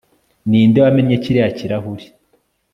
ninde wamennye kiriya kirahure